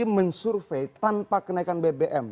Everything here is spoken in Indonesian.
mensurvey tanpa kenaikan bbm